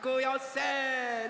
せの！